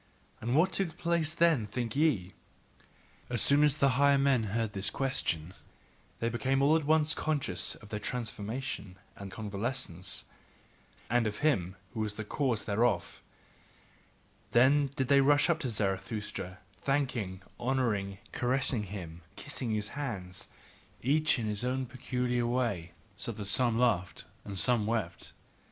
And what took place then, think ye? As soon as the higher men heard his question, they became all at once conscious of their transformation and convalescence, and of him who was the cause thereof: then did they rush up to Zarathustra, thanking, honouring, caressing him, and kissing his hands, each in his own peculiar way; so that some laughed and some wept.